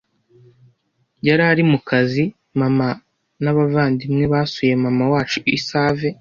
yari ari mu kazi, mama n’abavandimwe basuye mama wacu i Save.